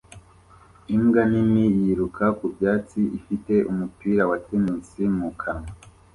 Imbwa nini yiruka ku byatsi ifite umupira wa tennis mu kanwa